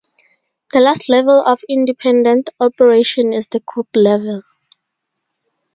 The last level of independent operation is the group level.